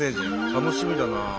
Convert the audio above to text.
楽しみだな。